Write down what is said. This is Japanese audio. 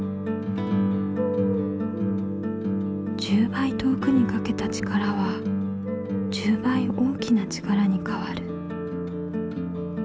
１０倍遠くにかけた力は１０倍大きな力にかわる。